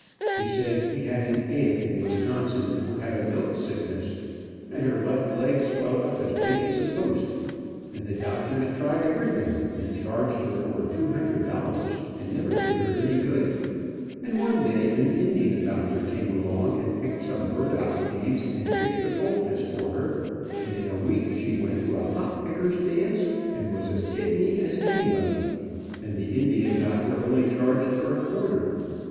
He said he had an aunt in Wisconsin who had a milk sickness, and her left leg swelled up as big as a post, and the doctors tried everything, and charged her over two hundred dollars, and never did her any good, and one day an Indian doctor came along and picked some burdock leaves and fixed a poultice for her, and in a week she went to a hop picker's dance, and was as kitteny as anybody, and the Indian doctor only charged her a quarter.